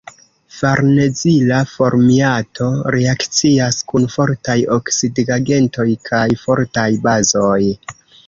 Farnezila formiato reakcias kun fortaj oksidigagentoj kaj fortaj bazoj.